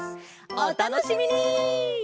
おたのしみに！